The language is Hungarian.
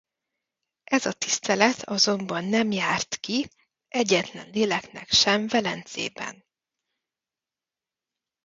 Ez a tisztelet azonban nem járt ki egyetlen léleknek sem Velencében.